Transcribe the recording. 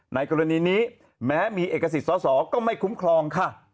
ในกรณีนี้แม้มีเอกสิทธิสอสอก็ไม่คุ้มครองค่ะ